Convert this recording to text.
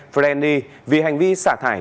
freni vì hành vi xả thải